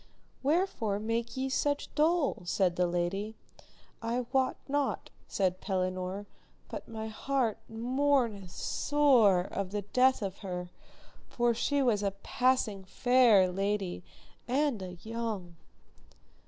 Wherefore make ye such dole? said the lady. I wot not, said Pellinore, but my heart mourneth sore of the death of her, for she was a passing fair lady and a young.